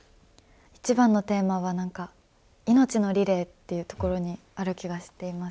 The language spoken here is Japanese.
一番のテーマは、命のリレーというところにあるような気がしています。